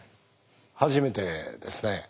初めてですね。